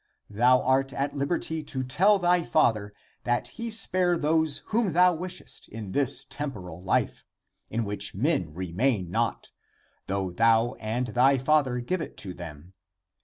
Thou art at liberty to tell thy father that he spare those whom thou wishest in this tem poral life, in which men remain not, though thou and thy father give it to them.